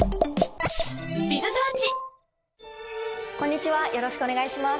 こんにちはよろしくお願いします。